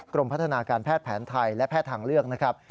กรมพัฒนาการแพทย์แผนไทยและแพทย์ทางเลือกนะครับ